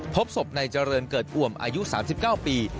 พบศพในเจริญเกิดอ่วมอายุ๓๙ปี